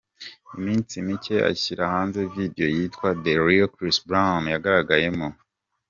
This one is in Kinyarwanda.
iminsi mike ashyira hanze video yitwa The Real Chris Brown yagaragaragamo.